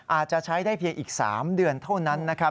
อาจจะใช้ได้เพียงอีก๓เดือนเท่านั้นนะครับ